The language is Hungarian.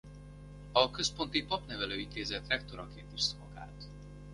A Központi Papnevelő Intézet rektoraként is szolgált.